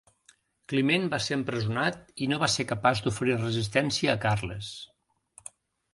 Climent va ser empresonat, i no va ser capaç d'oferir resistència a Carles.